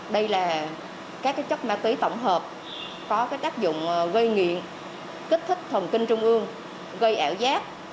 đây là các chất ma túy tổng hợp có tác dụng gây nghiện kích thích thần kinh trung ương gây ảo giác